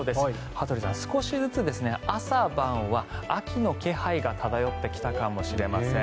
羽鳥さん、少しずつ朝晩は秋の気配が漂ってきたかもしれません。